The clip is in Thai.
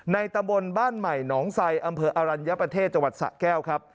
ในตะบลบ้านใหม่หนองไซอำเภออรัญญาประเทศจสะแก้วครับ